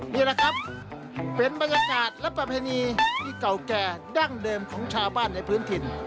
นี่แหละครับเป็นบรรยากาศและประเพณีที่เก่าแก่ดั้งเดิมของชาวบ้านในพื้นถิ่น